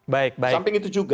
samping itu juga